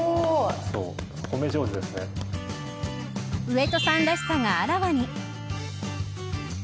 上戸さんらしさがあらわに。